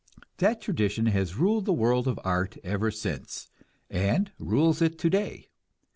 That tradition has ruled the world of art ever since, and rules it today.